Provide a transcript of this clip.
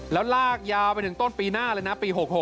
แล้วลากยาวไปถึงต้นปีหน้าเลยนะปี๖๖